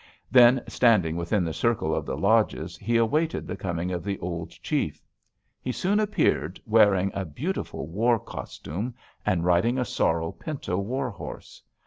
Then, standing within the circle of the lodges, he awaited the coming of the old chief. He soon appeared, wearing a beautiful war costume and riding a sorrel pinto war horse.